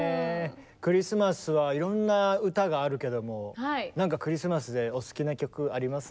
クリスマスはいろんな歌があるけども何かクリスマスでお好きな曲あります？